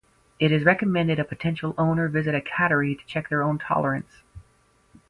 It is recommended a potential owner visit a cattery to check their own tolerance.